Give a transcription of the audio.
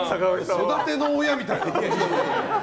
育ての親みたいな。